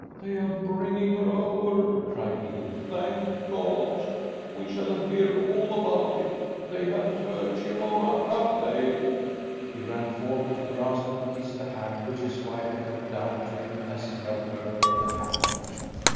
"They are bringing her over," cried he. "Thank God! We shall hear all about it. They haven't hurt you, Norah, have they?" He ran forward to grasp and kiss the hand which his wife held down to him as he helped her from the camel.